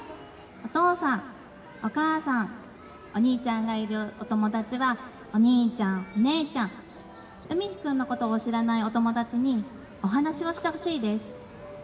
お父さん、お母さん、お兄ちゃんがいるお友達は、お兄ちゃん、お姉ちゃん、海陽くんのことを知らないお友達に、お話をしてほしいです。